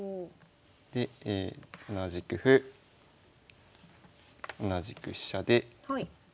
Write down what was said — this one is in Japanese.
で同じく歩同じく飛車で。